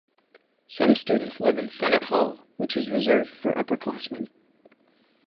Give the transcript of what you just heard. Some students live in Senat Hall, which is reserved for upperclassmen.